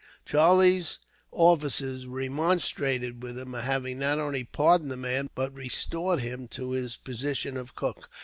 Charlie's officers remonstrated with him upon having not only pardoned the man, but restored him to his position of cook.